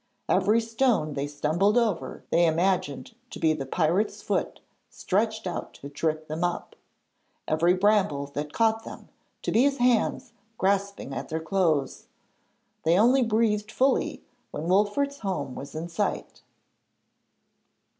Every stone they stumbled over they imagined to be the pirate's foot stretched out to trip them up; every bramble that caught them to be his hands grasping at their clothes. They only breathed fully when Wolfert's home was in sight.